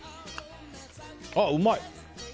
あ、うまい！